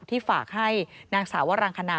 ที่ฝากให้นางสาววรังคณา